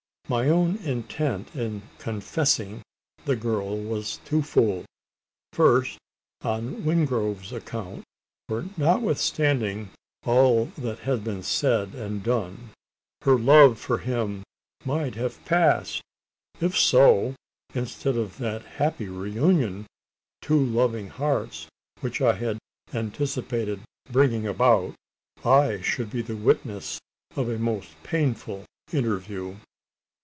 My own intent in "confessing" the girl was twofold. First, on Wingrove's account: for, notwithstanding all that had been said and done, her love for him might have passed. If so, instead of that happy reunion of two loving hearts, which I had anticipated bringing about, I should be the witness of a most painful interview.